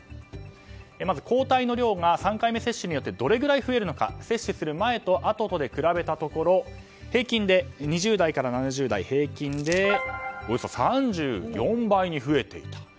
まず、抗体の量が３回目接種によってどれぐらい増えるのか接種する前と後とで比べたところ２０代から７０代、平均でおよそ３４倍に増えていた。